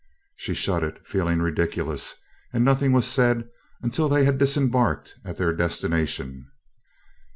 She shut it, feeling ridiculous, and nothing was said until they had disembarked at their destination.